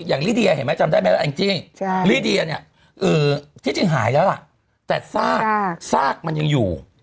อย่างลีเดียจำได้ไหมจริงลีเดียที่จริงหายแล้วแต่ซากมันยังอยู่